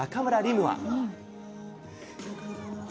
夢は。